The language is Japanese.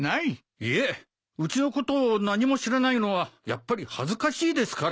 いえうちのことを何も知らないのはやっぱり恥ずかしいですから。